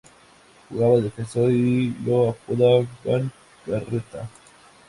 Jugaba de defensor y lo apodaban "Carreta".